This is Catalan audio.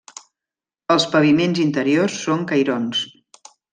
Els paviments interiors són cairons.